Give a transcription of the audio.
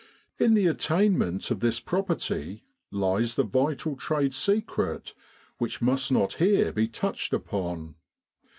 In the at tainment of this property lies the vital trade secret which must not here be touched upon.